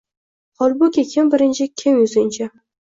Holbuki, kim “birinchi”, kim “yuzinchi”